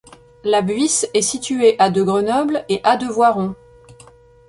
La Buisse est située à de Grenoble et à de Voiron.